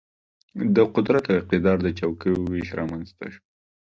د قدرت او اقتدار د چوکیو وېش رامېنځته شو.